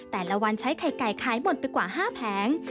แต่ละวันใช้ไข่ไก่ขายหมดไปกว่า๕แผง